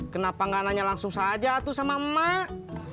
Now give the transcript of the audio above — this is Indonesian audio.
kenapa enggak nanya langsung saja atul sama emak